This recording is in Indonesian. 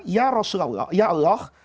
ya rasulullah ya allah